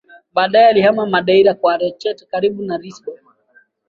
Baadaye alihama Madeira kwa Alcochete karibu na Lisbon